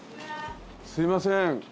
すみません